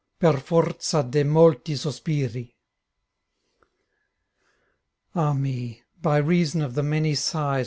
fer forza de' molti sospiri Ah me ! by reason of the many sighs.